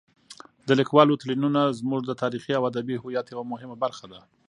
د لیکوالو تلینونه زموږ د تاریخي او ادبي هویت یوه مهمه برخه ده.